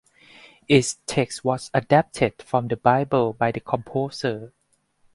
Its text was adapted from the Bible by the composer.